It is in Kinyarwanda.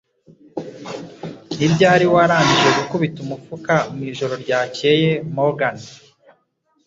Ni ryari warangije gukubita umufuka mwijoro ryakeye, Morgan?